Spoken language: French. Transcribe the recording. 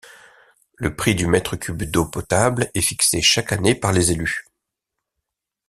Le prix du mètre cube d’eau potable est fixé chaque année par les élus.